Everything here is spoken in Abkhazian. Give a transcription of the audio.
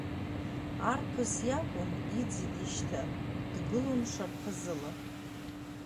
Арԥыс иакәын иӡит ишьҭа, дгылон шарԥазыла.